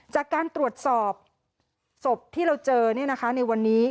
จากการตรวจสอบศพที่เราเจอในวันนี้